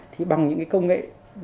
thì bằng những cái công nghệ